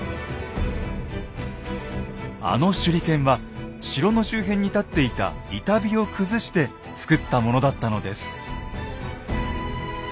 あの手裏剣は城の周辺に立っていた板碑を崩して作ったものだったのです。